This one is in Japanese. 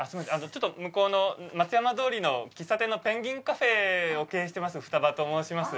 ちょっと向こうの松山通りの喫茶店のペンギンカフェを経営してます二羽と申します。